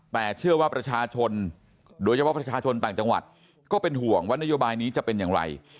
แต่เชื่อว่าประชาชนโดยเฉพาะประชาชนต่างจังหวัดก็เป็นห่วงว่านโยบายนี้จะเป็นอย่างไร